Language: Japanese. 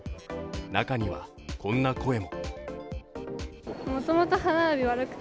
中には、こんな声も。